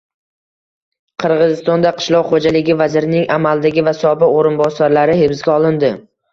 Qirg‘izistonda qishloq xo‘jaligi vazirining amaldagi va sobiq o‘rinbosarlari hibsga olindi